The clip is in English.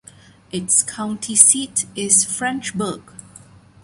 Its county seat is Frenchburg.